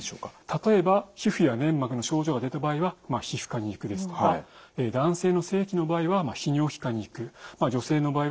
例えば皮膚や粘膜の症状が出た場合は皮膚科に行くですとか男性の性器の場合は泌尿器科に行く女性の場合は婦人科に行く。